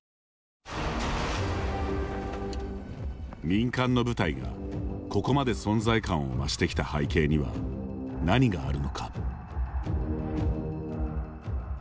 民間の部隊がここまで存在感を増してきた背景には何があるのか。